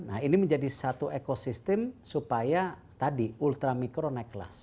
nah ini menjadi satu ekosistem supaya tadi ultramikro naik kelas